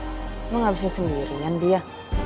emang gak bisa sendirian dia